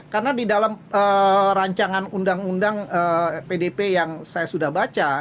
karena di dalam rancangan undang undang pdp yang saya sudah baca